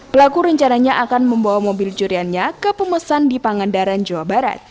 pelaku rencananya akan membawa mobil curiannya ke pemesan di pangandaran jawa barat